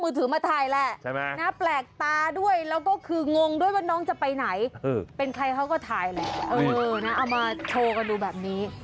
เออเอามาโทรกันดูแบบนี้